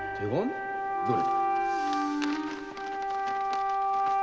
どれ。